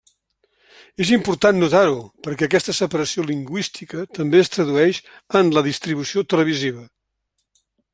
És important notar-ho perquè aquesta separació lingüística també es tradueix en la distribució televisiva.